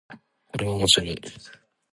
これは面白い